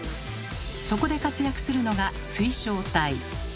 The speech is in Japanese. そこで活躍するのが水晶体。